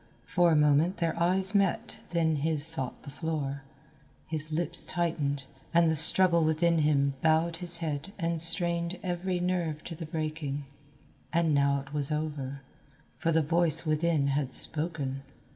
For a moment their eyes met then his sought the floor, his lips tightened, and the struggle within him bowed his head and strained every nerve to the breaking. And now it was over, for the voice within had spoken.